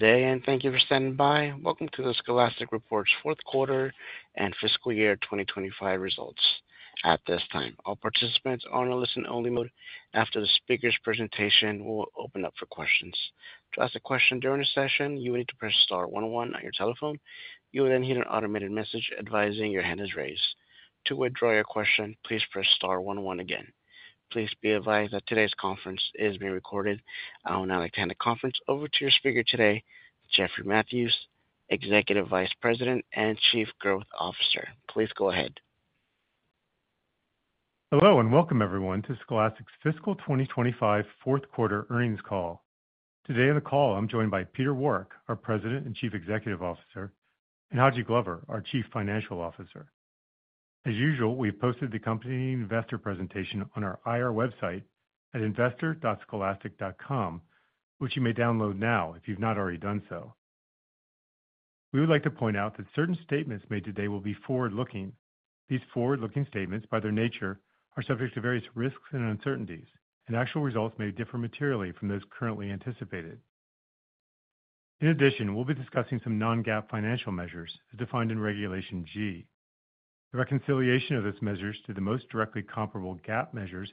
Today, and thank you for standing by. Welcome to the Scholastic Corporation's fourth quarter and fiscal year 2025 results. At this time, all participants are in a listen-only mode. After the speaker's presentation, we'll open up for questions. To ask a question during the session, you will need to press star one-one on your telephone. You will then hear an automated message advising your hand is raised. To withdraw your question, please press star one-one again. Please be advised that today's conference is being recorded. I will now turn the conference over to your speaker today, Jeffrey Mathews, Executive Vice President and Chief Growth Officer. Please go ahead. Hello and welcome, everyone, to Scholastic's fiscal 2025 fourth quarter earnings call. Today on the call, I'm joined by Peter Warwick, our President and Chief Executive Officer, and Haji Glover, our Chief Financial Officer. As usual, we have posted the company investor presentation on our IR website at investor.scholastic.com, which you may download now if you've not already done so. We would like to point out that certain statements made today will be forward-looking. These forward-looking statements, by their nature, are subject to various risks and uncertainties, and actual results may differ materially from those currently anticipated. In addition, we'll be discussing some non-GAAP financial measures as defined in Regulation G. The reconciliation of those measures to the most directly comparable GAAP measures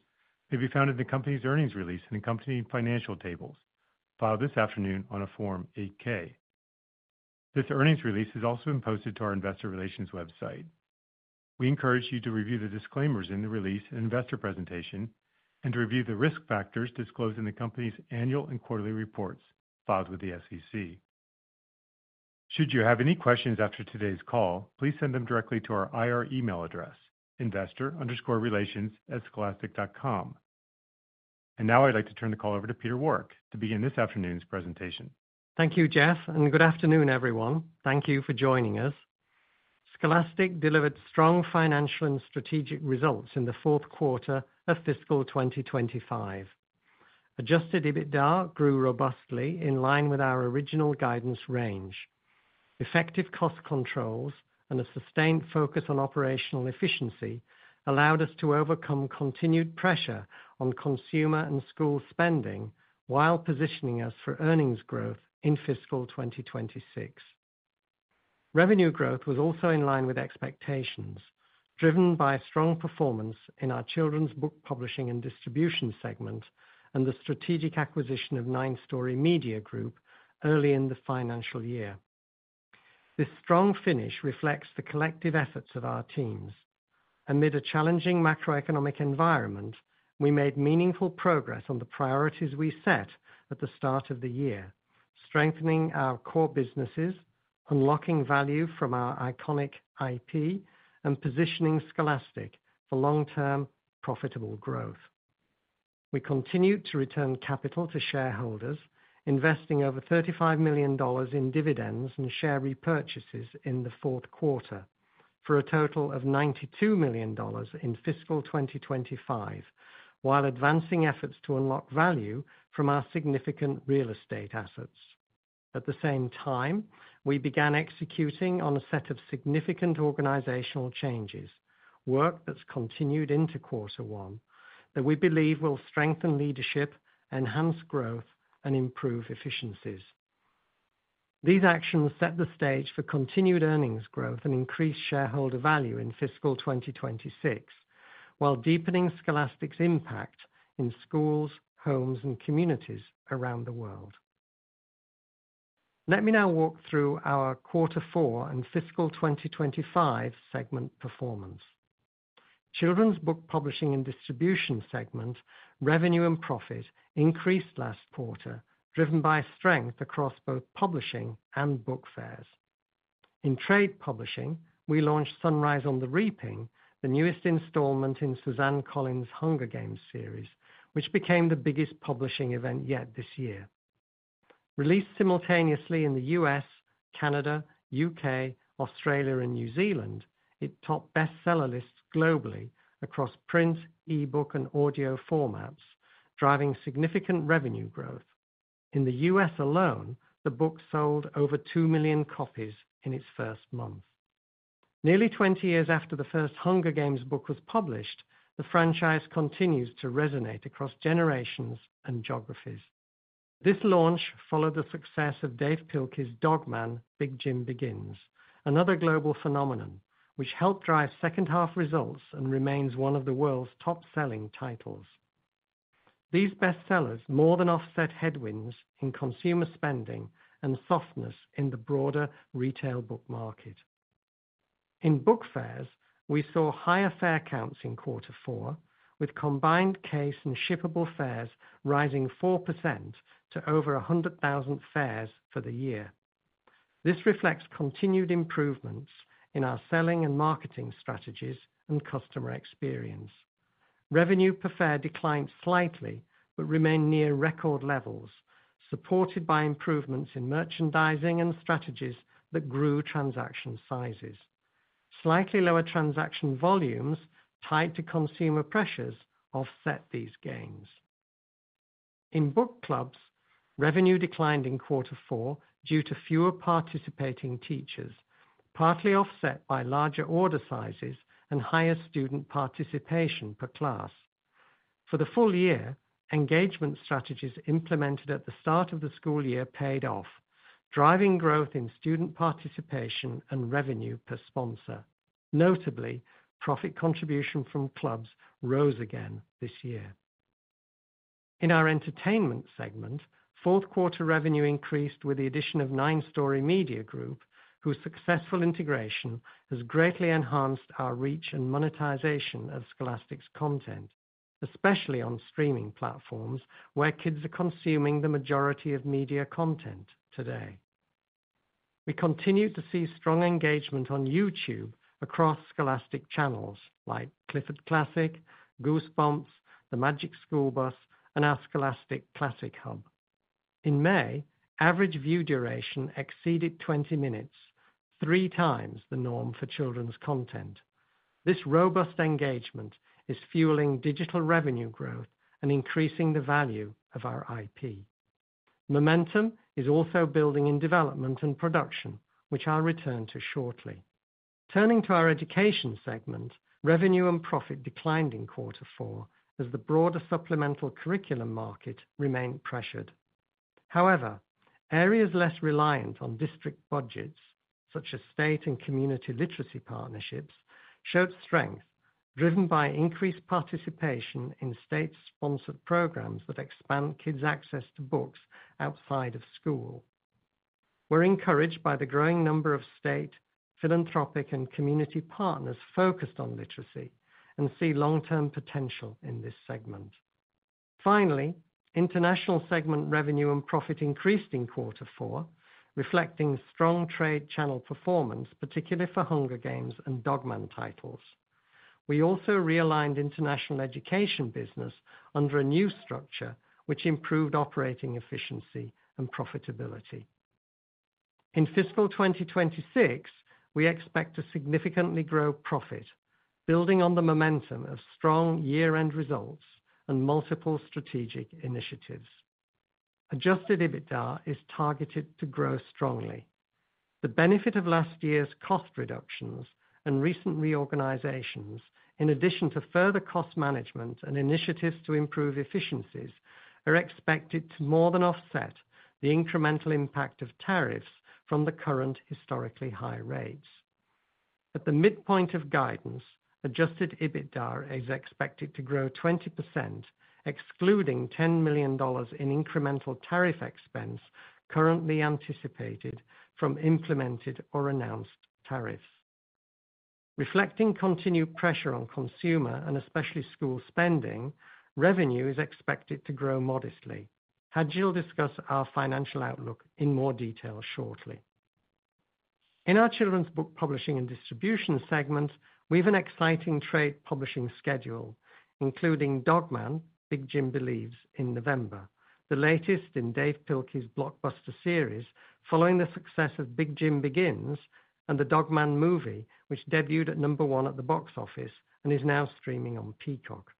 may be found in the company's earnings release and company financial tables, filed this afternoon on a Form 8-K. This earnings release has also been posted to our investor relations website. We encourage you to review the disclaimers in the release and investor presentation and to review the risk factors disclosed in the company's annual and quarterly reports filed with the SEC. Should you have any questions after today's call, please send them directly to our IR email address, investor_relations@scholastic.com. Now I'd like to turn the call over to Peter Warwick to begin this afternoon's presentation. Thank you, Jeff, and good afternoon, everyone. Thank you for joining us. Scholastic delivered strong financial and strategic results in the fourth quarter of fiscal 2025. Adjusted EBITDA grew robustly in line with our original guidance range. Effective cost controls and a sustained focus on operational efficiency allowed us to overcome continued pressure on consumer and school spending while positioning us for earnings growth in fiscal 2026. Revenue growth was also in line with expectations, driven by strong performance in our Children's Book Publishing and Distribution segment and the strategic acquisition of 9 Story Media Group early in the financial year. This strong finish reflects the collective efforts of our teams. Amid a challenging macroeconomic environment, we made meaningful progress on the priorities we set at the start of the year, strengthening our core businesses, unlocking value from our iconic IP, and positioning Scholastic for long-term profitable growth. We continued to return capital to shareholders, investing over $35 million in dividends and share repurchases in the fourth quarter, for a total of $92 million in fiscal 2025, while advancing efforts to unlock value from our significant real estate assets. At the same time, we began executing on a set of significant organizational changes, work that's continued into quarter one, that we believe will strengthen leadership, enhance growth, and improve efficiencies. These actions set the stage for continued earnings growth and increased shareholder value in fiscal 2026, while deepening Scholastic's impact in schools, homes, and communities around the world. Let me now walk through our quarter four and fiscal 2025 segment performance. Children's Book Publishing and Distribution segment revenue and profit increased last quarter, driven by strength across both publishing and book fairs. In Trade Publishing, we launched Sunrise on the Reaping, the newest installment in Suzanne Collins' Hunger Games series, which became the biggest publishing event yet this year. Released simultaneously in the U.S., Canada, U.K., Australia, and New Zealand, it topped bestseller lists globally across print, e-book, and audio formats, driving significant revenue growth. In the U.S. alone, the book sold over 2 million copies in its first month. Nearly 20 years after the first Hunger Games book was published, the franchise continues to resonate across generations and geographies. This launch followed the success of Dav Pilkey's Dog Man, Big Jim Begins, another global phenomenon, which helped drive second-half results and remains one of the world's top-selling titles. These bestsellers more than offset headwinds in consumer spending and softness in the broader retail book market. In book fairs, we saw higher fair counts in quarter four, with combined case and shippable fairs rising 4% to over 100,000 fairs for the year. This reflects continued improvements in our selling and marketing strategies and customer experience. Revenue per fair declined slightly but remained near record levels, supported by improvements in merchandising and strategies that grew transaction sizes. Slightly lower transaction volumes, tied to consumer pressures, offset these gains. In book clubs, revenue declined in quarter four due to fewer participating teachers, partly offset by larger order sizes and higher student participation per class. For the full-year, engagement strategies implemented at the start of the school year paid off, driving growth in student participation and revenue per sponsor. Notably, profit contribution from clubs rose again this year. In our Entertainment Segment, fourth quarter revenue increased with the addition of 9 Story Media Group, whose successful integration has greatly enhanced our reach and monetization of Scholastic's content, especially on streaming platforms where kids are consuming the majority of media content today. We continued to see strong engagement on YouTube across Scholastic channels like Clifford Classic, Goosebumps, The Magic School Bus, and our Scholastic Classic Hub. In May, average view duration exceeded 20 minutes, three times the norm for children's content. This robust engagement is fueling digital revenue growth and increasing the value of our IP. Momentum is also building in development and production, which I'll return to shortly. Turning to our Education segment, revenue and profit declined in quarter four as the broader supplemental curriculum market remained pressured. However, areas less reliant on district budgets, such as state and community literacy partnerships, showed strength, driven by increased participation in state-sponsored programs that expand kids' access to books outside of school. We're encouraged by the growing number of state philanthropic and community partners focused on literacy and see long-term potential in this segment. Finally, International Segment revenue and profit increased in quarter four, reflecting strong trade channel performance, particularly for Hunger Games and Dog Man titles. We also realigned International Education business under a new structure, which improved operating efficiency and profitability. In fiscal 2026, we expect to significantly grow profit, building on the momentum of strong year-end results and multiple strategic initiatives. Adjusted EBITDA is targeted to grow strongly. The benefit of last year's cost reductions and recent reorganizations, in addition to further cost management and initiatives to improve efficiencies, are expected to more than offset the incremental impact of tariffs from the current historically high rates. At the midpoint of guidance, Adjusted EBITDA is expected to grow 20%, excluding $10 million in incremental tariff expense currently anticipated from implemented or announced tariffs. Reflecting continued pressure on consumer and especially school spending, revenue is expected to grow modestly. Haji will discuss our financial outlook in more detail shortly. In our Children's Book Publishing and Distribution segment, we have an exciting Trade Publishing schedule, including Dog Man, Big Jim Believes in November, the latest in Dav Pilkey's blockbuster series following the success of Big Jim Begins and the Dog Man movie, which debuted at number one at the box office and is now streaming on Peacock.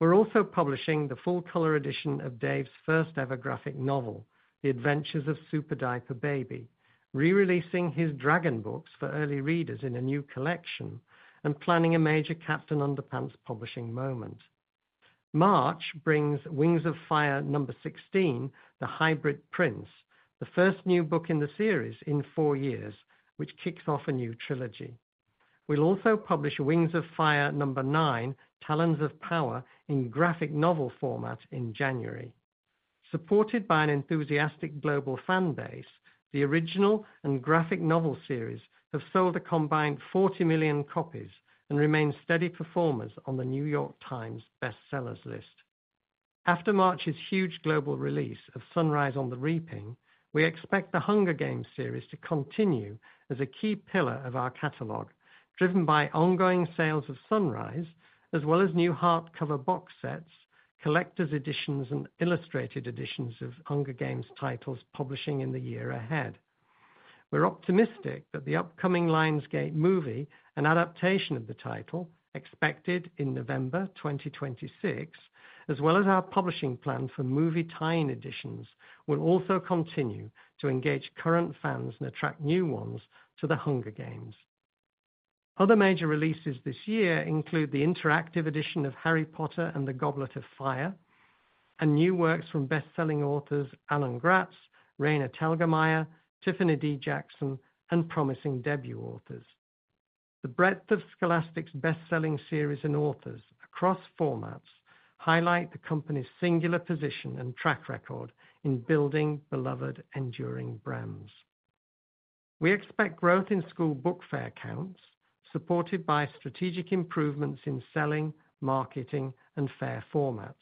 We're also publishing the full-color edition of Dav's first-ever graphic novel, The Adventures of Super Diaper Baby, re-releasing his Dragon books for early readers in a new collection, and planning a major Captain Underpants publishing moment. March brings Wings of Fire number 16, The Hybrid Prince, the first new book in the series in four years, which kicks off a new trilogy. We'll also publish Wings of Fire number 9, Talons of Power, in graphic novel format in January. Supported by an enthusiastic global fan base, the original and graphic novel series have sold a combined 40 million copies and remain steady performers on the New York Times bestsellers list. After March's huge global release of Sunrise on the Reaping, we expect the Hunger Games series to continue as a key pillar of our catalog, driven by ongoing sales of Sunrise, as well as new hardcover box sets, collector's editions, and illustrated editions of Hunger Games titles publishing in the year ahead. We're optimistic that the upcoming Lionsgate movie, an adaptation of the title expected in November 2026, as well as our publishing plan for movie tie-in editions, will also continue to engage current fans and attract new ones to the Hunger Games. Other major releases this year include the interactive edition of Harry Potter and the Goblet of Fire and new works from bestselling authors Alan Gratz, Raina Telgemeier, Tiffany D. Jackson, and promising debut authors. The breadth of Scholastic's bestselling series and authors across formats highlights the company's singular position and track record in building beloved enduring brands. We expect growth in school book fair counts, supported by strategic improvements in selling, marketing, and fair formats.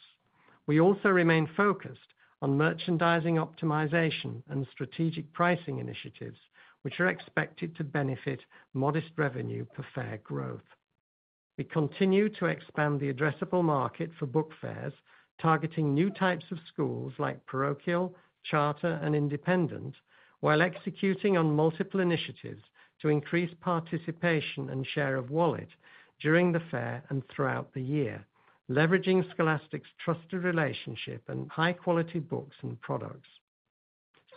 We also remain focused on merchandising optimization and strategic pricing initiatives, which are expected to benefit modest revenue per fair growth. We continue to expand the addressable market for book fairs, targeting new types of schools like parochial, charter, and independent, while executing on multiple initiatives to increase participation and share of wallet during the fair and throughout the year, leveraging Scholastic's trusted relationship and high-quality books and products.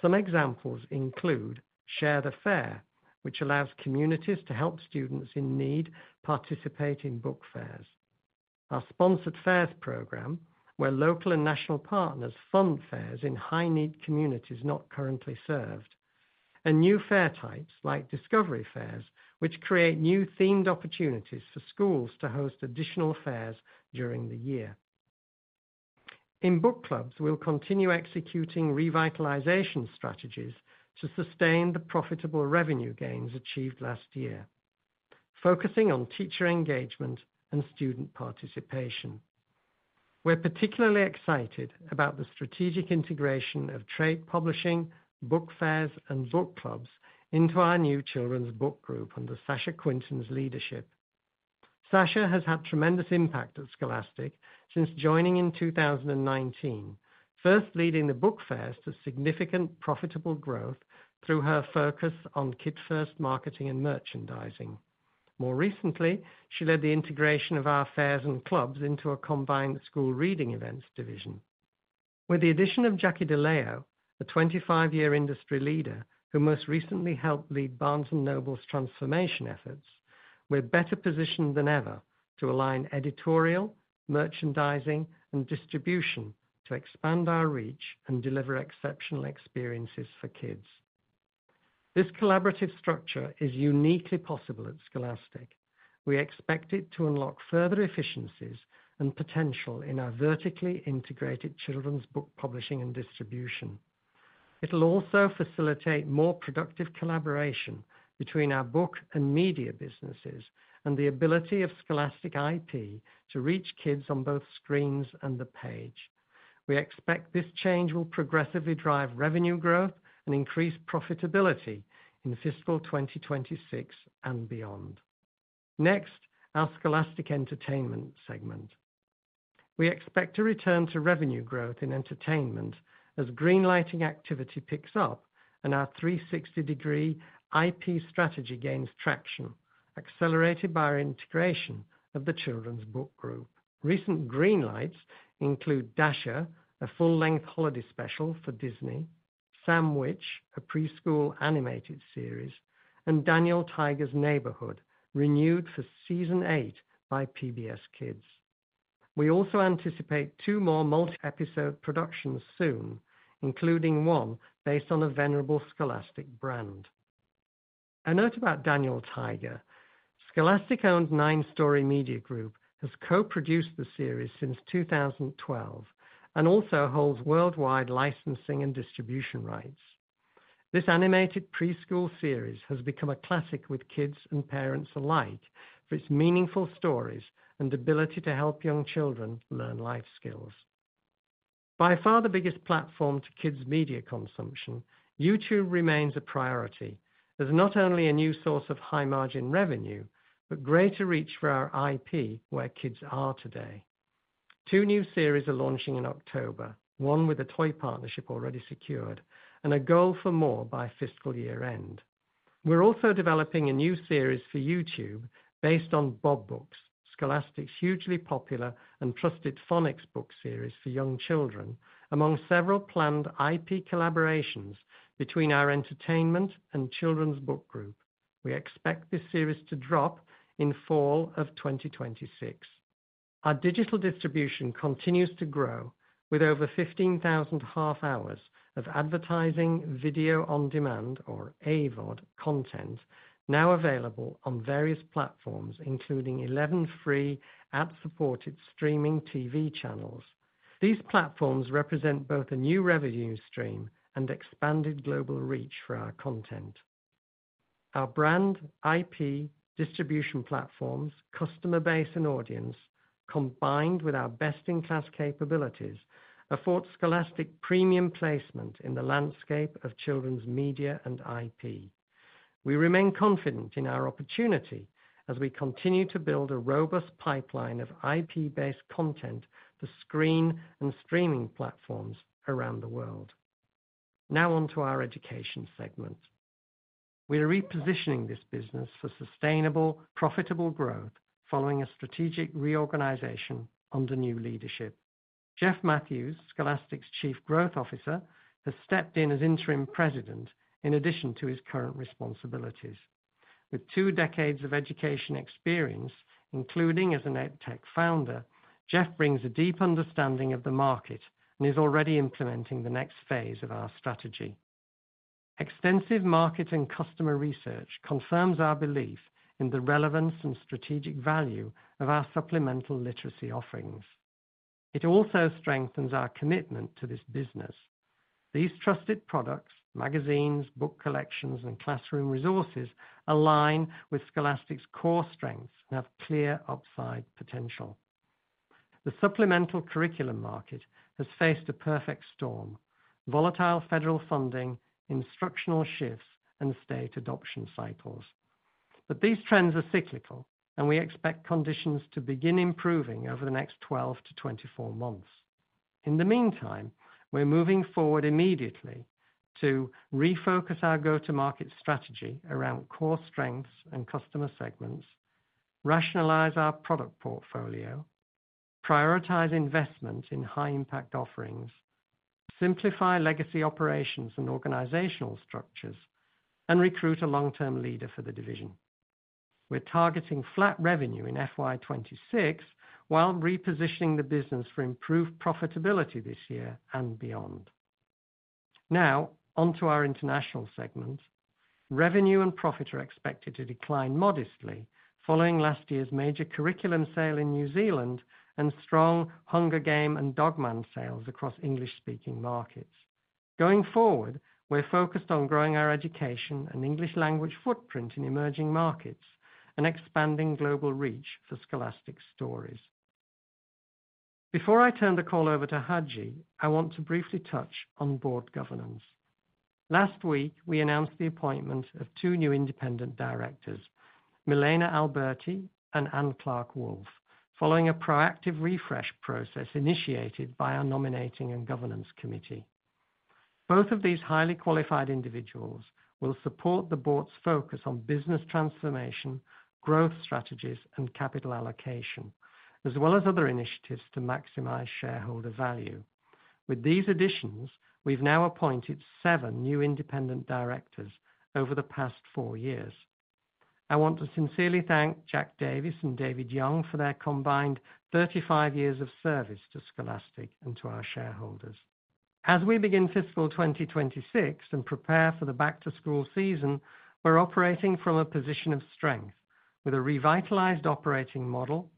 Some examples include Share the Fair, which allows communities to help students in need participate in book fairs, our Sponsored Fairs program, where local and national partners fund fairs in high-need communities not currently served, and new fair types like Discovery Fairs, which create new themed opportunities for schools to host additional fairs during the year. In book clubs, we'll continue executing revitalization strategies to sustain the profitable revenue gains achieved last year, focusing on teacher engagement and student participation. We're particularly excited about the strategic integration of trade publishing, book fairs, and book clubs into our new Children's Book Group under Sasha Quinton's leadership. Sasha has had tremendous impact at Scholastic since joining in 2019, first leading the book fairs to significant profitable growth through her focus on kid-first marketing and merchandising. More recently, she led the integration of our fairs and clubs into a combined school reading events division. With the addition of Jackie DeLeo, a 25-year industry leader who most recently helped lead Barnes & Noble's transformation efforts, we're better positioned than ever to align editorial, merchandising, and distribution to expand our reach and deliver exceptional experiences for kids. This collaborative structure is uniquely possible at Scholastic. We expect it to unlock further efficiencies and potential in our vertically integrated Children's Book Publishing and Distribution. It'll also facilitate more productive collaboration between our book and media businesses and the ability of Scholastic IP to reach kids on both screens and the page. We expect this change will progressively drive revenue growth and increase profitability in fiscal 2026 and beyond. Next, our Scholastic Entertainment Segment. We expect to return to revenue growth in entertainment as greenlighting activity picks up and our 360-degree IP strategy gains traction, accelerated by our integration of the Children's Book Group. Recent greenlights include Dasher, a full-length holiday special for Disney, Sam Witch: A Preschool Animated Series, and Daniel Tiger's Neighborhood, renewed for Season 8 by PBS Kids. We also anticipate two more multi-episode productions soon, including one based on a venerable Scholastic brand. A note about Daniel Tiger. Scholastic-owned 9 Story Media Group has co-produced the series since 2012 and also holds worldwide licensing and distribution rights. This animated preschool series has become a classic with kids and parents alike for its meaningful stories and ability to help young children learn life skills. By far the biggest platform to kids' media consumption, YouTube remains a priority as not only a new source of high margin revenue, but greater reach for our IP where kids are today. Two new series are launching in October, one with a toy partnership already secured and a goal for more by fiscal year end. We're also developing a new series for YouTube based on Bob Books, Scholastic's hugely popular and trusted phonics book series for young children, among several planned IP collaborations between our entertainment and Children's Book Group. We expect this series to drop in fall of 2026. Our digital distribution continues to grow with over 15,000 half hours of advertising video on demand, or AVOD content, now available on various platforms, including 11 free ad-supported streaming TV channels. These platforms represent both a new revenue stream and expanded global reach for our content. Our brand, IP, distribution platforms, customer base, and audience, combined with our best-in-class capabilities, afford Scholastic premium placement in the landscape of children's media and IP. We remain confident in our opportunity as we continue to build a robust pipeline of IP-based content for screen and streaming platforms around the world. Now on to our Education Segment. We are repositioning this business for sustainable, profitable growth following a strategic reorganization under new leadership. Jeffrey Mathews, Scholastic's Chief Growth Officer, has stepped in as Interim President in addition to his current responsibilities. With two decades of education experience, including as an EdTech founder, Jeff brings a deep understanding of the market and is already implementing the next phase of our strategy. Extensive market and customer research confirms our belief in the relevance and strategic value of our supplemental literacy offerings. It also strengthens our commitment to this business. These trusted products, magazines, book collections, and classroom resources align with Scholastic's core strengths and have clear upside potential. The supplemental curriculum market has faced a perfect storm: volatile federal funding, instructional shifts, and state adoption cycles. These trends are cyclical, and we expect conditions to begin improving over the next 12-24 months. In the meantime, we're moving forward immediately to refocus our go-to-market strategy around core strengths and customer segments, rationalize our product portfolio, prioritize investment in high-impact offerings, simplify legacy operations and organizational structures, and recruit a long-term leader for the division. We're targeting flat revenue in FY26 while repositioning the business for improved profitability this year and beyond. Now, on to our International Segment. Revenue and profit are expected to decline modestly following last year's major curriculum sale in New Zealand and strong Hunger Games and Dog Man sales across English-speaking markets. Going forward, we're focused on growing our education and English language footprint in emerging markets and expanding global reach for Scholastic Stories. Before I turn the call over to Haji, I want to briefly touch on board governance. Last week, we announced the appointment of two new independent directors, Milena Alberti and Ann Clarke-Wolf, following a proactive refresh process initiated by our Nominating and Governance Committee. Both of these highly qualified individuals will support the Board's focus on business transformation, growth strategies, and capital allocation, as well as other initiatives to maximize shareholder value. With these additions, we've now appointed seven new independent directors over the past four years. I want to sincerely thank Jack Davies and David Young for their combined 35 years of service to Scholastic and to our shareholders. As we begin fiscal 2026 and prepare for the back-to-school season, we're operating from a position of strength, with a revitalized operating model,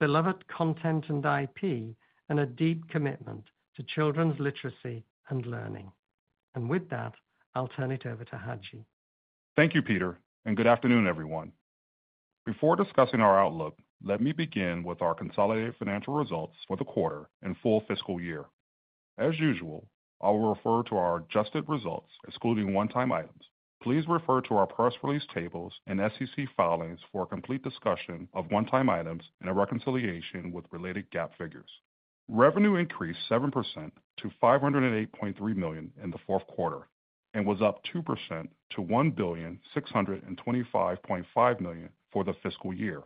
beloved content and IP, and a deep commitment to children's literacy and learning. With that, I'll turn it over to Haji. Thank you, Peter, and good afternoon, everyone. Before discussing our outlook, let me begin with our consolidated financial results for the quarter and full fiscal year. As usual, I will refer to our adjusted results, excluding one-time items. Please refer to our press release tables and SEC filings for a complete discussion of one-time items and a reconciliation with related GAAP figures. Revenue increased 7% to $508.3 million in the fourth quarter and was up 2% to $1,625.5 million for the fiscal year.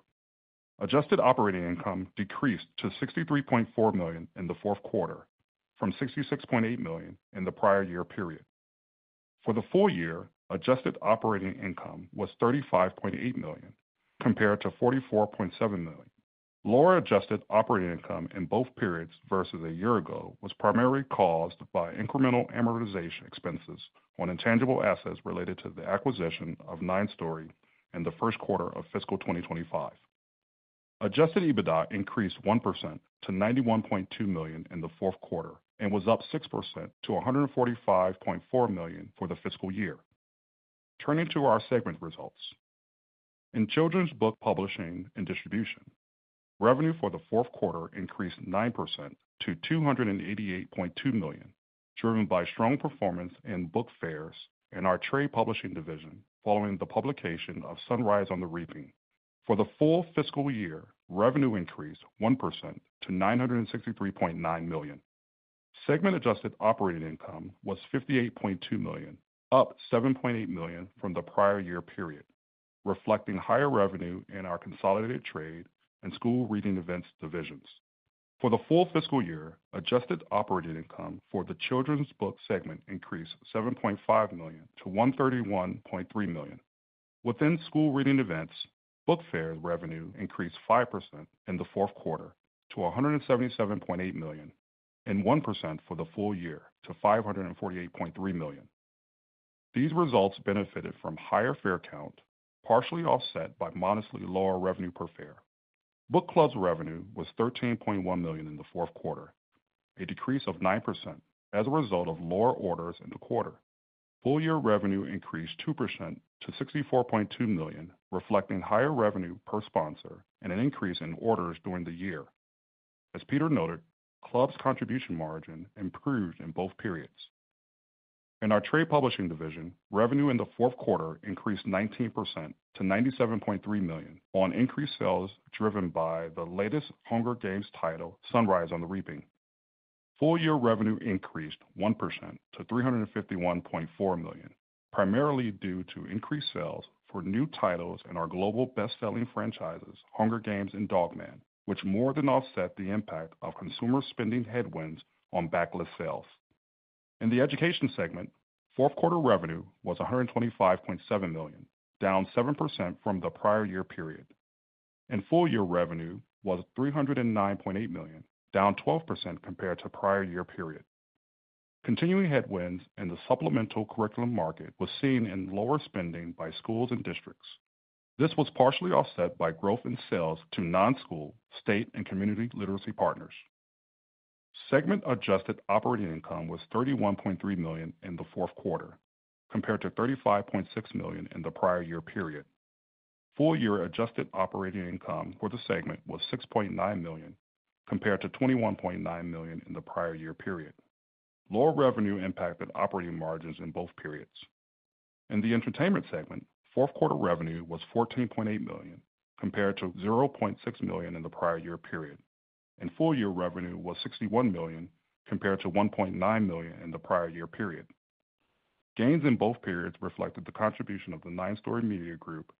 Adjusted operating income decreased to $63.4 million in the fourth quarter, from $66.8 million in the prior year period. For the full-year, adjusted operating income was $35.8 million, compared to $44.7 million. Lower adjusted operating income in both periods versus a year ago was primarily caused by incremental amortization expenses on intangible assets related to the acquisition of 9 Story in the first quarter of fiscal 2025. Adjusted EBITDA increased 1% to $91.2 million in the fourth quarter and was up 6% to $145.4 million for the fiscal year. Turning to our segment results. In Children's Book Publishing and Distribution, revenue for the fourth quarter increased 9% to $288.2 million, driven by strong performance in book fairs and our Trade Publishing division following the publication of Sunrise on the Reaping. For the full fiscal year, revenue increased 1% to $963.9 million. Segment adjusted operating income was $58.2 million, up $7.8 million from the prior year period, reflecting higher revenue in our consolidated trade and school reading events divisions. For the full fiscal year, adjusted operating income for the Children's Book segment increased $7.5 million-$131.3 million. Within school reading events, book fair revenue increased 5% in the fourth quarter to $177.8 million and 1% for the full-year to $548.3 million. These results benefited from higher fair count, partially offset by modestly lower revenue per fair. Book Clubs revenue was $13.1 million in the fourth quarter, a decrease of 9% as a result of lower orders in the quarter. full-year revenue increased 2% to $64.2 million, reflecting higher revenue per sponsor and an increase in orders during the year. As Peter noted, clubs' contribution margin improved in both periods. In our Trade Publishing division, revenue in the fourth quarter increased 19% to $97.3 million on increased sales driven by the latest Hunger Games title, Sunrise on the Reaping. Full-year revenue increased 1% to $351.4 million, primarily due to increased sales for new titles in our global bestselling franchises, Hunger Games and Dog Man, which more than offset the impact of consumer spending headwinds on backlist sales. In the Education Segment, fourth quarter revenue was $125.7 million, down 7% from the prior year period. Full-year revenue was $309.8 million, down 12% compared to prior year period. Continuing headwinds in the supplemental curriculum market were seen in lower spending by schools and districts. This was partially offset by growth in sales to non-school, state, and community literacy partners. Segment adjusted operating income was $31.3 million in the fourth quarter, compared to $35.6 million in the prior year period. Full-year adjusted operating income for the segment was $6.9 million, compared to $21.9 million in the prior year period. Lower revenue impacted operating margins in both periods. In the Entertainment Segment, fourth quarter revenue was $14.8 million, compared to $0.6 million in the prior year period. Full-year revenue was $61 million, compared to $1.9 million in the prior year period. Gains in both periods reflected the contribution of the 9 Story Media Group,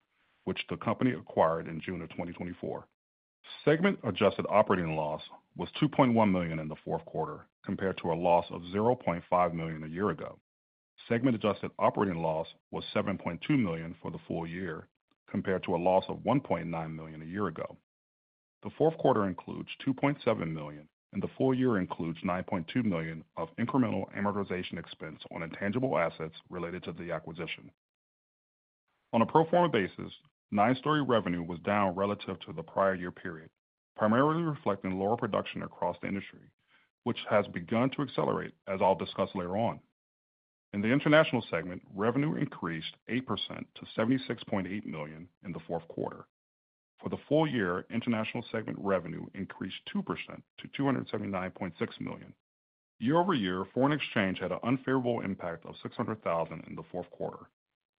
which the company acquired in June of 2024. Segment adjusted operating loss was $2.1 million in the fourth quarter, compared to a loss of $0.5 million a year ago. Segment adjusted operating loss was $7.2 million for the full-year, compared to a loss of $1.9 million a year ago. The fourth quarter includes $2.7 million, and the full-year includes $9.2 million of incremental amortization expense on intangible assets related to the acquisition. On a pro forma basis, 9 Story revenue was down relative to the prior year period, primarily reflecting lower production across the industry, which has begun to accelerate, as I'll discuss later on. In the International Segment, revenue increased 8% to $76.8 million in the fourth quarter. For the full-year, International Segment revenue increased 2% to $279.6 million. Year-over-year, foreign exchange had an unfavorable impact of $600,000 in the fourth quarter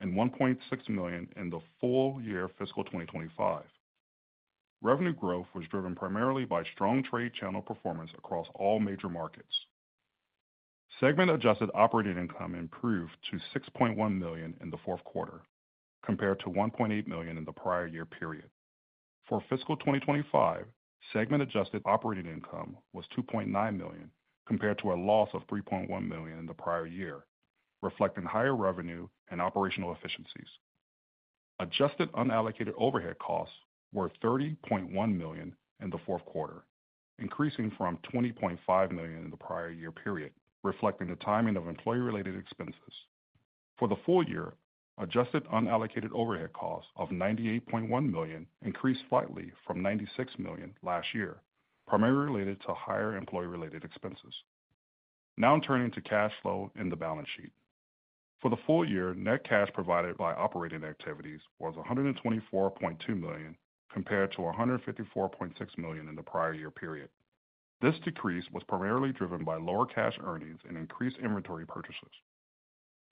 and $1.6 million in the full-year, fiscal 2025. Revenue growth was driven primarily by strong trade channel performance across all major markets. Segment adjusted operating income improved to $6.1 million in the fourth quarter, compared to $1.8 million in the prior year period. For fiscal 2025, segment adjusted operating income was $2.9 million, compared to a loss of $3.1 million in the prior year, reflecting higher revenue and operational efficiencies. Adjusted unallocated overhead costs were $30.1 million in the fourth quarter, increasing from $20.5 million in the prior year period, reflecting the timing of employee-related expenses. For the full-year, adjusted unallocated overhead costs of $98.1 million increased slightly from $96 million last year, primarily related to higher employee-related expenses. Now turning to cash flow in the balance sheet. For the full-year, net cash provided by operating activities was $124.2 million, compared to $154.6 million in the prior year period. This decrease was primarily driven by lower cash earnings and increased inventory purchases.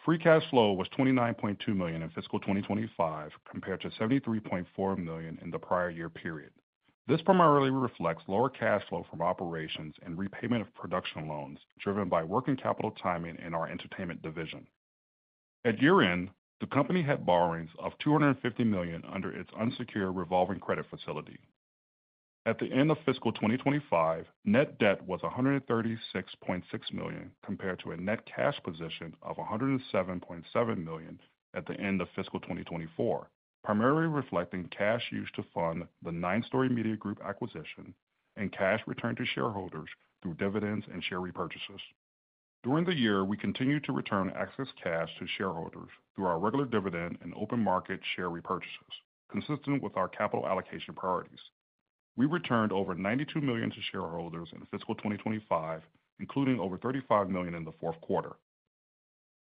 Free Cash Flow was $29.2 million in fiscal 2025, compared to $73.4 million in the prior year period. This primarily reflects lower cash flow from operations and repayment of production loans driven by working capital timing in our Entertainment Division. At year-end, the company had borrowings of $250 million under its unsecured revolving credit facility. At the end of fiscal 2025, net debt was $136.6 million, compared to a net cash position of $107.7 million at the end of fiscal 2024, primarily reflecting cash used to fund the 9 Story Media Group acquisition and cash returned to shareholders through dividends and share repurchases. During the year, we continued to return excess cash to shareholders through our regular dividend and open market share repurchases, consistent with our capital allocation priorities. We returned over $92 million to shareholders in fiscal 2025, including over $35 million in the fourth quarter.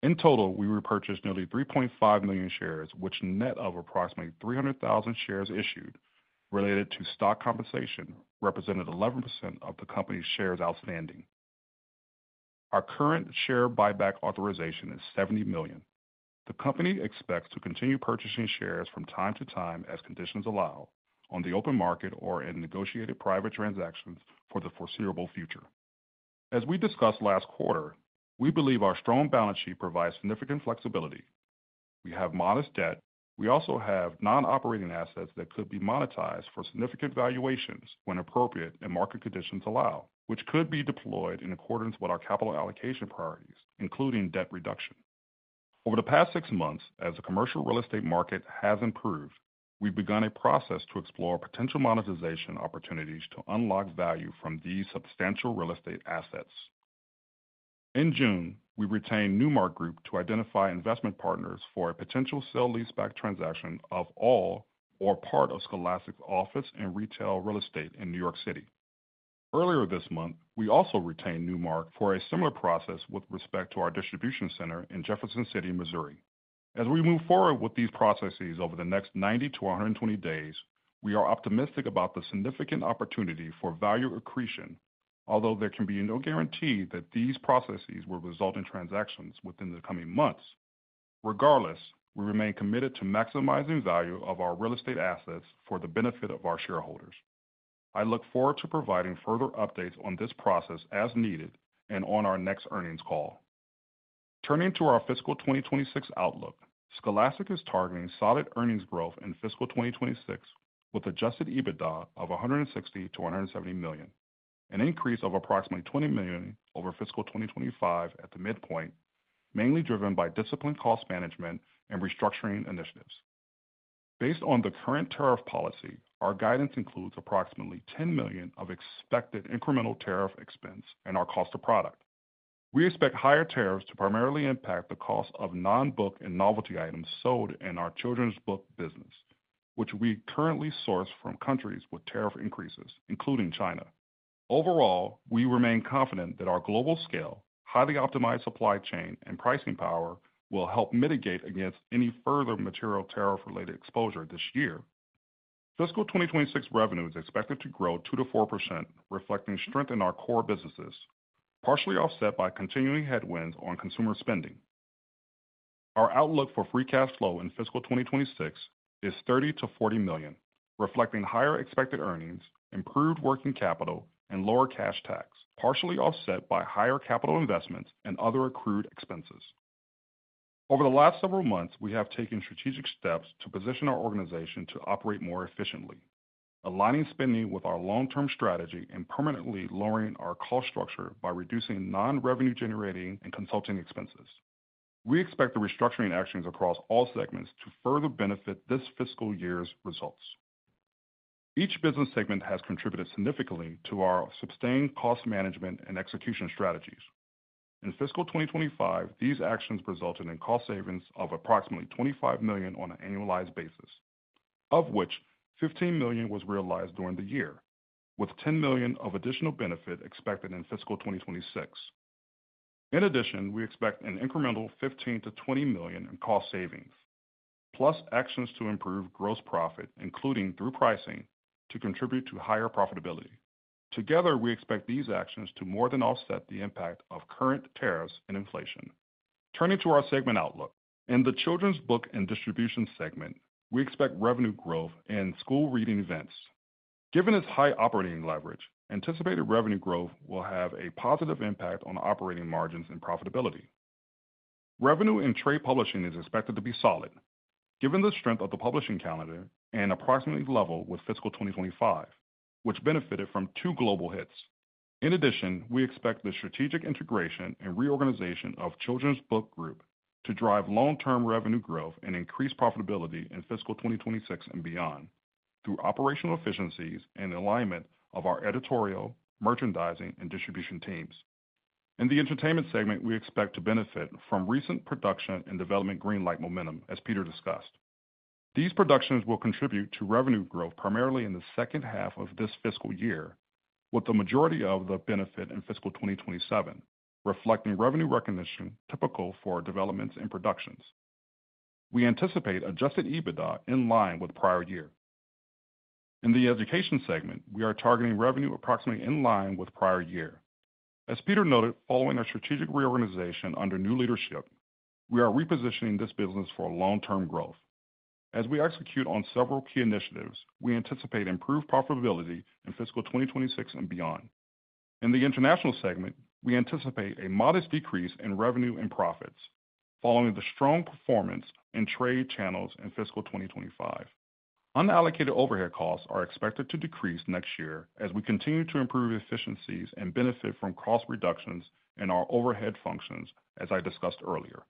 In total, we repurchased nearly 3.5 million shares, which, net of approximately 300,000 shares issued related to stock compensation, represented 11% of the company's shares outstanding. Our current share buyback authorization is $70 million. The company expects to continue purchasing shares from time to time as conditions allow, on the open market or in negotiated private transactions for the foreseeable future. As we discussed last quarter, we believe our strong balance sheet provides significant flexibility. We have modest debt. We also have non-operating assets that could be monetized for significant valuations when appropriate and market conditions allow, which could be deployed in accordance with our capital allocation priorities, including debt reduction. Over the past six months, as the commercial real estate market has improved, we've begun a process to explore potential monetization opportunities to unlock value from these substantial real estate assets. In June, we retained Newmark Group to identify investment partners for a potential sale-leaseback transaction of all or part of Scholastic's office and retail real estate in New York City. Earlier this month, we also retained Newmark for a similar process with respect to our distribution center in Jefferson City, Missouri. As we move forward with these processes over the next 90-120 days, we are optimistic about the significant opportunity for value accretion, although there can be no guarantee that these processes will result in transactions within the coming months. Regardless, we remain committed to maximizing value of our real estate assets for the benefit of our shareholders. I look forward to providing further updates on this process as needed and on our next earnings call. Turning to our fiscal 2026 outlook, Scholastic is targeting solid earnings growth in fiscal 2026 with Adjusted EBITDA of $160 million-$170 million, an increase of approximately $20 million over fiscal 2025 at the midpoint, mainly driven by disciplined cost management and restructuring initiatives. Based on the current tariff policy, our guidance includes approximately $10 million of expected incremental tariff expense in our cost of product. We expect higher tariffs to primarily impact the cost of non-book and novelty items sold in our Children's Book business, which we currently source from countries with tariff increases, including China. Overall, we remain confident that our global scale, highly optimized supply chain, and pricing power will help mitigate against any further material tariff-related exposure this year. Fiscal 2026 revenue is expected to grow 2%-4%, reflecting strength in our core businesses, partially offset by continuing headwinds on consumer spending. Our outlook for Free Cash Flow in fiscal 2026 is $30 million-$40 million, reflecting higher expected earnings, improved working capital, and lower cash tax, partially offset by higher capital investments and other accrued expenses. Over the last several months, we have taken strategic steps to position our organization to operate more efficiently, aligning spending with our long-term strategy and permanently lowering our cost structure by reducing non-revenue-generating and consulting expenses. We expect the restructuring actions across all segments to further benefit this fiscal year's results. Each business segment has contributed significantly to our sustained cost management and execution strategies. In fiscal 2025, these actions resulted in cost savings of approximately $25 million on an annualized basis, of which $15 million was realized during the year, with $10 million of additional benefit expected in fiscal 2026. In addition, we expect an incremental $15 million-$20 million in cost savings, plus actions to improve gross profit, including through pricing, to contribute to higher profitability. Together, we expect these actions to more than offset the impact of current tariffs and inflation. Turning to our segment outlook, in the Children's Book and Distribution segment, we expect revenue growth in school reading events. Given its high operating leverage, anticipated revenue growth will have a positive impact on operating margins and profitability. Revenue in Trade Publishing is expected to be solid, given the strength of the publishing calendar and approximately level with fiscal 2025, which benefited from two global hits. In addition, we expect the strategic integration and reorganization of Children's Book Group to drive long-term revenue growth and increase profitability in fiscal 2026 and beyond through operational efficiencies and alignment of our editorial, merchandising, and distribution teams. In the Entertainment Segment, we expect to benefit from recent production and development greenlight momentum, as Peter discussed. These productions will contribute to revenue growth primarily in the second half of this fiscal year, with the majority of the benefit in fiscal 2027, reflecting revenue recognition typical for developments and productions. We anticipate Adjusted EBITDA in line with prior year. In the Education Solutions segment, we are targeting revenue approximately in line with prior year. As Peter noted, following our strategic reorganization under new leadership, we are repositioning this business for long-term growth. As we execute on several key initiatives, we anticipate improved profitability in fiscal 2026 and beyond. In the International Segment, we anticipate a modest decrease in revenue and profits following the strong performance in trade channels in fiscal 2025. Unallocated overhead costs are expected to decrease next year as we continue to improve efficiencies and benefit from cost reductions in our overhead functions, as I discussed earlier.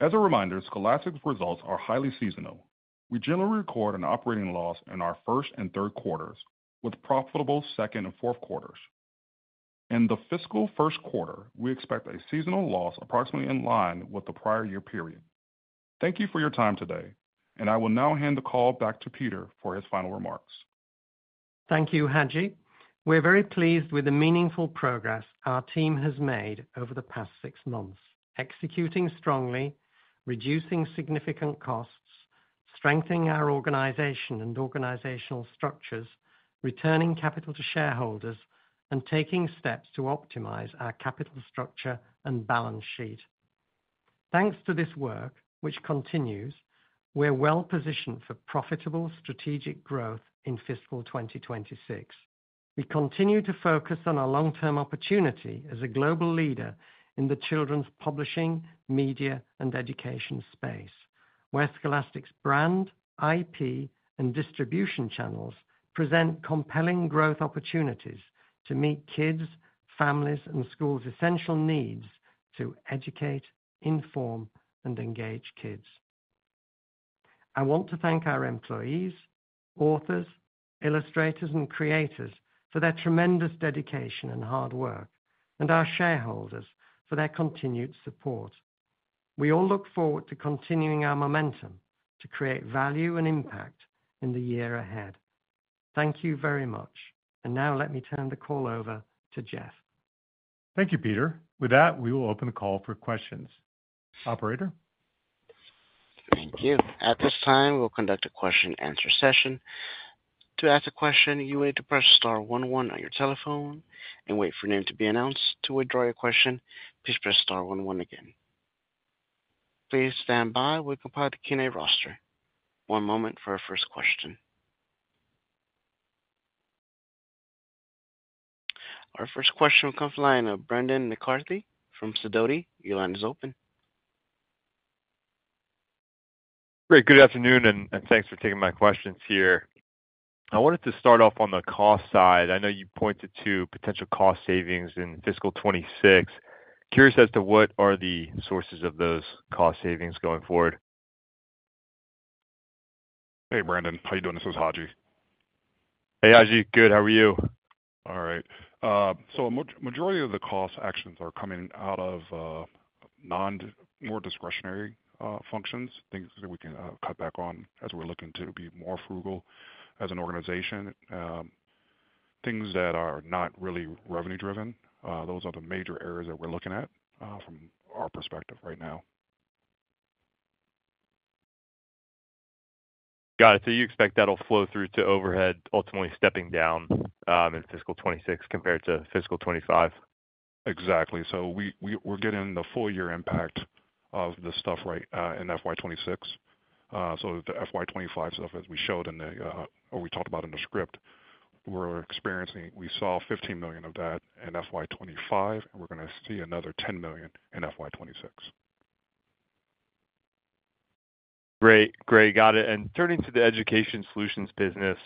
As a reminder, Scholastic's results are highly seasonal. We generally record an operating loss in our first and third quarters, with profitable second and fourth quarters. In the fiscal first quarter, we expect a seasonal loss approximately in line with the prior year period. Thank you for your time today, and I will now hand the call back to Peter for his final remarks. Thank you, Haji. We're very pleased with the meaningful progress our team has made over the past six months, executing strongly, reducing significant costs, strengthening our organization and organizational structures, returning capital to shareholders, and taking steps to optimize our capital structure and balance sheet. Thanks to this work, which continues, we're well-positioned for profitable strategic growth in fiscal 2026. We continue to focus on our long-term opportunity as a global leader in the children's publishing, media, and education space, where Scholastic's brand, IP, and distribution channels present compelling growth opportunities to meet kids, families, and schools' essential needs to educate, inform, and engage kids. I want to thank our employees, authors, illustrators, and creators for their tremendous dedication and hard work, and our shareholders for their continued support. We all look forward to continuing our momentum to create value and impact in the year ahead. Thank you very much, and now let me turn the call over to Jeff. Thank you, Peter. With that, we will open the call for questions. Operator. Thank you. At this time, we'll conduct a question-and-answer session. To ask a question, you will need to press star one one on your telephone and wait for your name to be announced. To withdraw your question, please press star one one again. Please stand by. We'll compile the Q&A roster. One moment for our first question. Our first question will come from the line of Brendan McCarthy from Sidoti. Your line is open. Great. Good afternoon, and thanks for taking my questions here. I wanted to start off on the cost side. I know you pointed to potential cost savings in fiscal 2026. Curious as to what are the sources of those cost savings going forward. Hey, Brendan. How are you doing? This is Haji. Hey, Haji. Good, how are you? All right. A majority of the cost actions are coming out of non-more discretionary functions, things that we can cut back on as we're looking to be more frugal as an organization. Things that are not really revenue-driven. Those are the major areas that we're looking at from our perspective right now. Got it. You expect that'll flow through to overhead, ultimately stepping down in fiscal 2026 compared to fiscal 2025? Exactly. We're getting the full-year impact of the stuff right in FY26. TheFY25 stuff, as we showed in the or we talked about in the script, we're experiencing, we saw $15 million of that in FY25, and we're going to see another $10 million in FY26. Great. Got it. Turning to the Education Solutions business,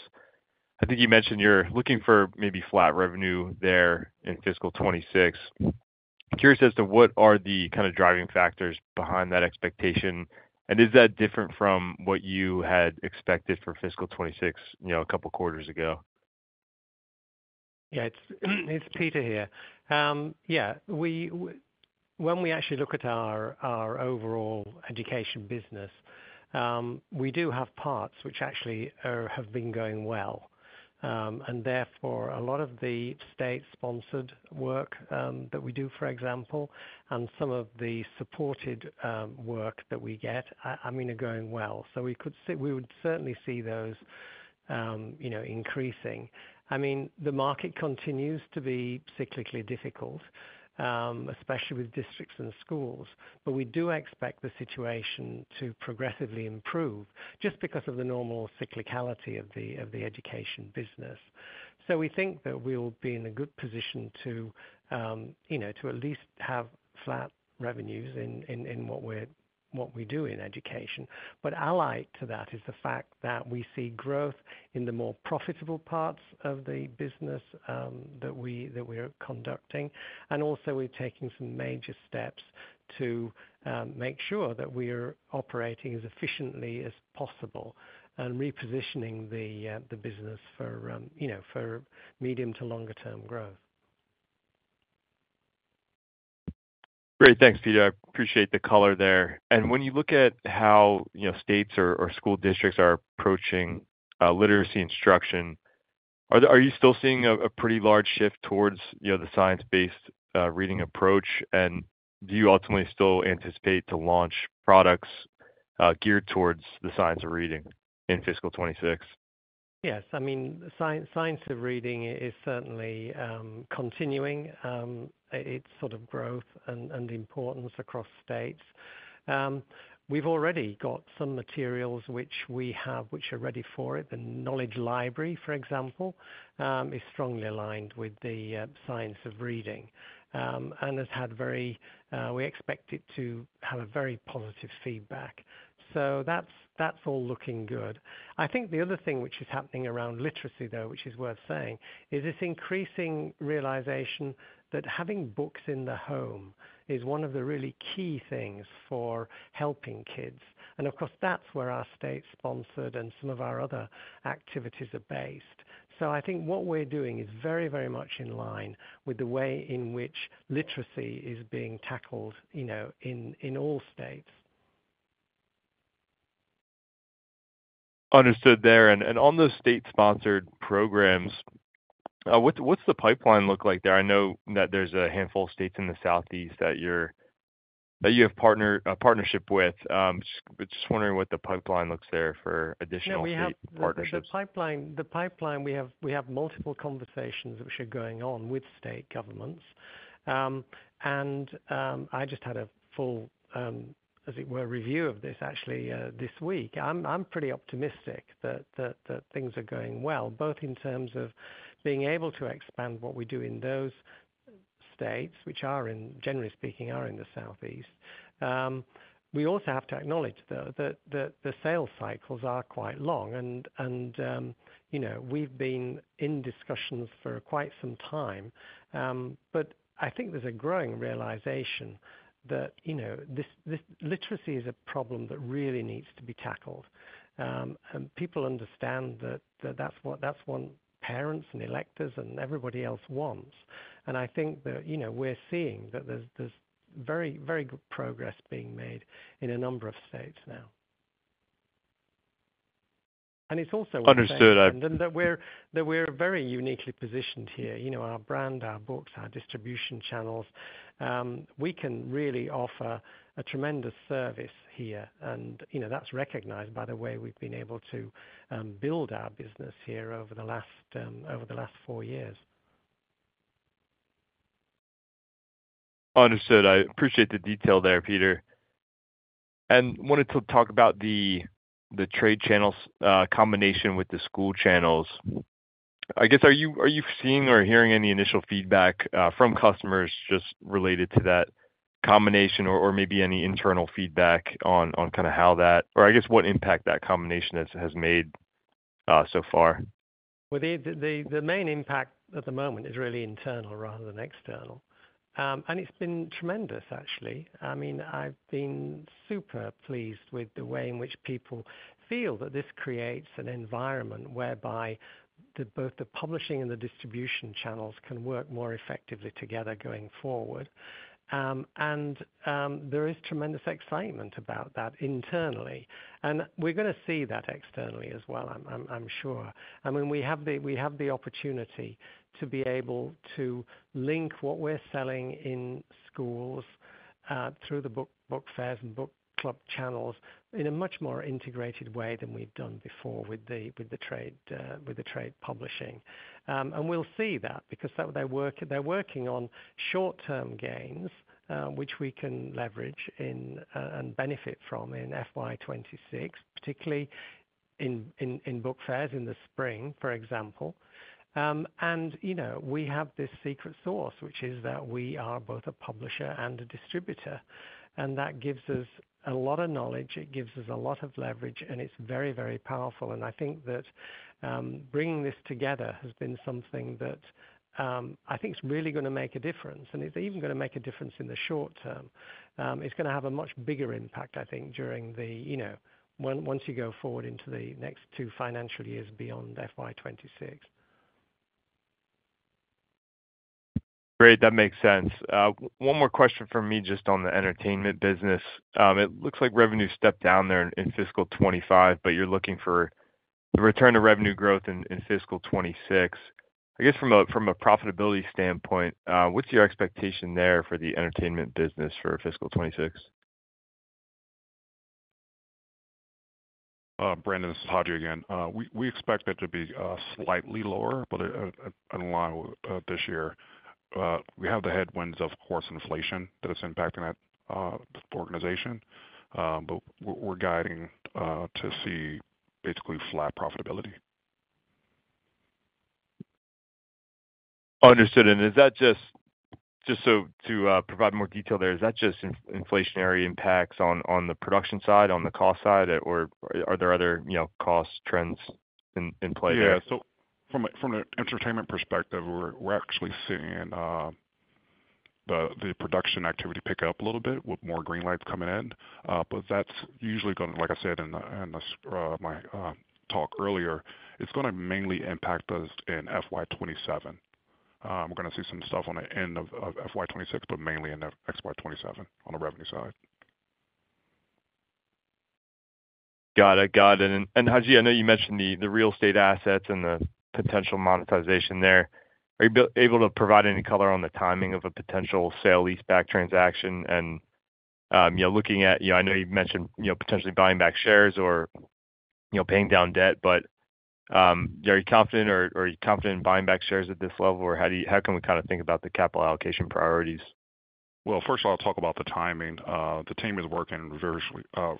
I think you mentioned you're looking for maybe flat revenue there in fiscal 2026. I'm curious as to what are the kind of driving factors behind that expectation, and is that different from what you had expected for fiscal 2026 a couple of quarters ago? Yeah, it's Peter here. When we actually look at our overall education business, we do have parts which actually have been going well. Therefore, a lot of the state-sponsored work that we do, for example, and some of the supported work that we get, are going well. We would certainly see those increasing. The market continues to be cyclically difficult, especially with districts and schools, but we do expect the situation to progressively improve just because of the normal cyclicality of the education business. We think that we'll be in a good position to at least have flat revenues in what we do in education. Allied to that is the fact that we see growth in the more profitable parts of the business that we are conducting. Also, we're taking some major steps to make sure that we are operating as efficiently as possible and repositioning the business for medium to longer-term growth. Great. Thanks, Peter. I appreciate the color there. When you look at how states or school districts are approaching literacy instruction, are you still seeing a pretty large shift towards the science-based reading approach? Do you ultimately still anticipate to launch products geared towards the Science of Reading in fiscal 2026? Yes. I mean, the Science of Reading is certainly continuing its sort of growth and importance across states. We've already got some materials which we have that are ready for it. The Knowledge Library, for example, is strongly aligned with the Science of Reading and has had very, we expect it to have very positive feedback. That's all looking good. I think the other thing which is happening around literacy, though, which is worth saying, is this increasing realization that having books in the home is one of the really key things for helping kids. Of course, that's where our state-sponsored and some of our other activities are based. I think what we're doing is very, very much in line with the way in which literacy is being tackled in all states. Understood there. On those state-sponsored programs, what's the pipeline look like there? I know that there's a handful of states in the Southeast that you have a partnership with. I'm just wondering what the pipeline looks like there for additional partnerships. The pipeline, we have multiple conversations which are going on with state governments. I just had a full review of this actually this week. I'm pretty optimistic that things are going well, both in terms of being able to expand what we do in those states, which are, generally speaking, are in the Southeast. We also have to acknowledge, though, that the sales cycles are quite long. We've been in discussions for quite some time. I think there's a growing realization that literacy is a problem that really needs to be tackled. People understand that that's what parents and electors and everybody else wants. I think that we're seeing that there's very, very good progress being made in a number of states now. It's also. Understood. We're very uniquely positioned here. You know, our brand, our books, our distribution channels, we can really offer a tremendous service here. That's recognized by the way we've been able to build our business here over the last four years. Understood. I appreciate the detail there, Peter. I wanted to talk about the trade channels combination with the school channels. Are you seeing or hearing any initial feedback from customers just related to that combination or maybe any internal feedback on what impact that combination has made so far? The main impact at the moment is really internal rather than external. It's been tremendous, actually. I mean, I've been super pleased with the way in which people feel that this creates an environment whereby both the publishing and the distribution channels can work more effectively together going forward. There is tremendous excitement about that internally. We're going to see that externally as well, I'm sure. I mean, we have the opportunity to be able to link what we're selling in schools through the book fairs and book clubs channels in a much more integrated way than we've done before with the trade publishing. We'll see that because they're working on short-term gains, which we can leverage and benefit from in FY26, particularly in book fairs in the spring, for example. We have this secret sauce, which is that we are both a publisher and a distributor. That gives us a lot of knowledge. It gives us a lot of leverage, and it's very, very powerful. I think that bringing this together has been something that I think is really going to make a difference. It's even going to make a difference in the short term. It's going to have a much bigger impact, I think, once you go forward into the next two financial years beyond FY26. Great. That makes sense. One more question from me just on the entertainment business. It looks like revenue stepped down there in fiscal 2025, but you're looking for the return to revenue growth in fiscal 2026. I guess from a profitability standpoint, what's your expectation there for the entertainment business for fiscal 2026? Brendan, this is Haji again. We expect it to be slightly lower, but in line with this year. We have the headwinds of inflation that is impacting the organization. We're guiding to see basically flat profitability. Understood. Is that just inflationary impacts on the production side, on the cost side, or are there other cost trends in play there? Yeah. From an entertainment perspective, we're actually seeing the production activity pick up a little bit with more greenlights coming in. That is usually going to, like I said in my talk earlier, mainly impact us in FY27. We're going to see some stuff on the end of FY26, but mainly in FY27 on the revenue side. Got it. Got it. Haji, I know you mentioned the real estate assets and the potential monetization there. Are you able to provide any color on the timing of a potential sale-leaseback transaction? I know you mentioned potentially buying back shares or paying down debt, but are you confident in buying back shares at this level? How can we kind of think about the capital allocation priorities? First of all, I'll talk about the timing. The team is working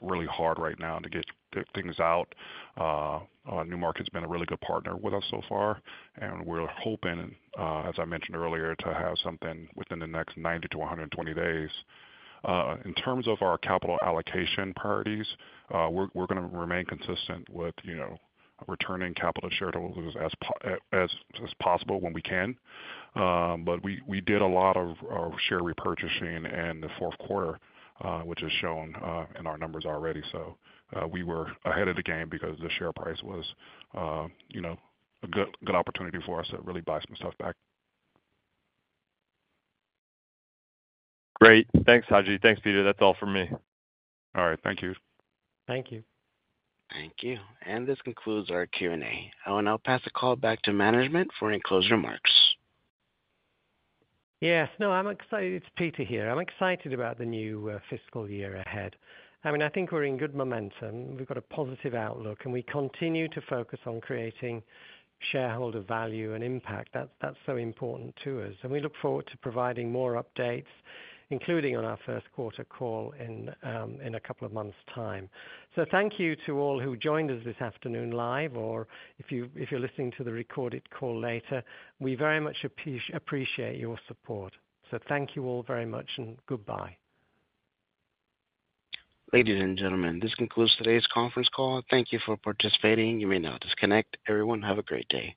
really hard right now to get things out. Newmark Group has been a really good partner with us so far. We're hoping, as I mentioned earlier, to have something within the next 90-120 days. In terms of our capital allocation priorities, we're going to remain consistent with returning capital to shareholders as possible when we can. We did a lot of share repurchasing in the fourth quarter, which is shown in our numbers already. We were ahead of the game because the share price was a good opportunity for us to really buy some stuff back. Great. Thanks, Haji. Thanks, Peter. That's all for me. All right. Thank you. Thank you. Thank you. This concludes our Q&A. I'll pass the call back to management for any closing remarks. Yes. No, I'm excited. It's Peter here. I'm excited about the new fiscal year ahead. I mean, I think we're in good momentum. We've got a positive outlook, and we continue to focus on creating shareholder value and impact. That's so important to us. We look forward to providing more updates, including on our first quarter call in a couple of months' time. Thank you to all who joined us this afternoon live, or if you're listening to the recorded call later, we very much appreciate your support. Thank you all very much, and goodbye. Ladies and gentlemen, this concludes today's conference call. Thank you for participating. You may now disconnect. Everyone, have a great day.